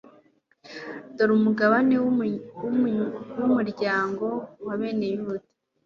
dore umugabane w'umuryango wa bene yuda